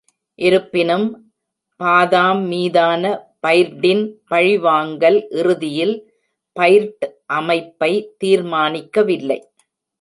இருப்பினும், பாதாம் மீதான பைர்டின் பழிவாங்கல் இறுதியில் பைர்ட் அமைப்பை தீர்மானிக்கவில்லை.